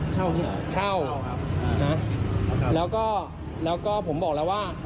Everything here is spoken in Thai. เช่าเราก็เราก็ผมบอกแล้วว่า